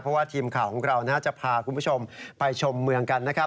เพราะว่าทีมข่าวของเราจะพาคุณผู้ชมไปชมเมืองกันนะครับ